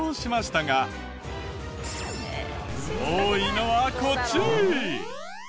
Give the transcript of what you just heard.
多いのはこっち！